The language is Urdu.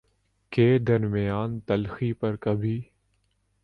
کے درمیان تلخی پر کبھی